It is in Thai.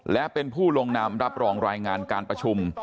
และเป็นผู้ลงนามรับรองรายงานการประชุม